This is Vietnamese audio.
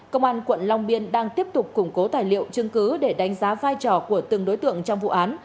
công an quận long biên đang tiếp tục củng cố tài liệu chứng cứ để đánh giá vai trò của từng đối tượng trong vụ án